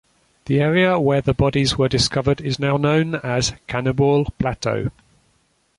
The area where the bodies were discovered is now known as Cannibal Plateau.